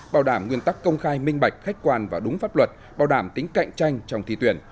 bảo đảm nguyên tắc công khai minh bạch khách quan và đúng pháp luật bảo đảm tính cạnh tranh trong thi tuyển